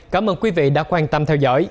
cảm ơn quý vị đã quan tâm theo dõi